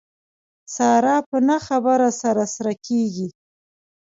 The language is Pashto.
ساره په نه خبره سره سره کېږي.